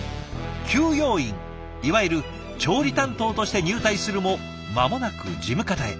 給養員いわゆる調理担当として入隊するも間もなく事務方へ。